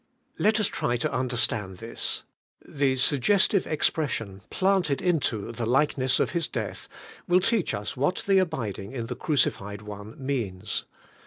Let us try to understand this. The suggestive ex pression, 'Planted into the likeness of His death,' will teach us what the abiding in the Crucilied One means.